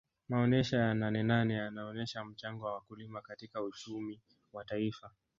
maonesha ya nanenane yanaonesha mchango wa wakulima katika uchumi wa taifa